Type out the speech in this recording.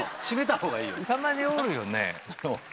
たまにおるよね。